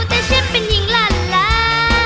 แต่ฉันเป็นหญิงรั้นแล